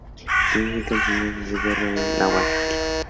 Significa "enseñanzas de guerra" en Náhuatl.